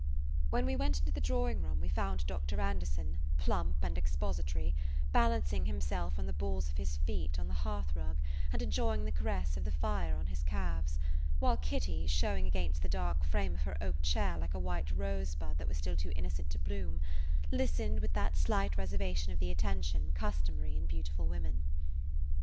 When we went into the drawing room we found Dr. Anderson, plump and expository, balancing himself on the balls of his feet on the hearth rug and enjoying the caress of the fire on his calves, while Kitty, showing against the dark frame of her oak [Page 159] chair like a white rosebud that was still too innocent to bloom, listened with that slight reservation of the attention customary in beautiful women.